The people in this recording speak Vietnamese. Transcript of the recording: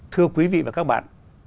thưa quý vị và các bạn